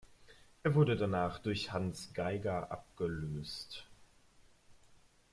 Er wurde danach durch Hans Geiger abgelöst.